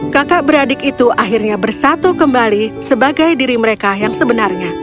kakak beradik itu akhirnya bersatu kembali sebagai diri mereka yang sebenarnya